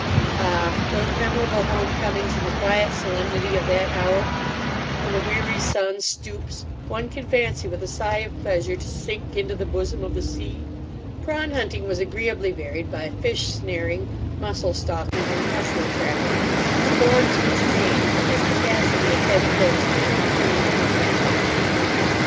Ah! those memorable homecomings in the quiet solemnity of that hour, when a weary sun stoops, one can fancy with a sigh of pleasure, to sink into the bosom of the sea! Prawn hunting was agreeably varied by fish snaring, mussel stalking, and mushroom trapping—sports which James, in his capacity of Head Forester, included in his venery.